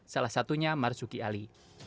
salah satunya marzuki ali